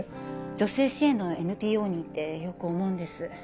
女性支援のＮＰＯにいてよく思うんです。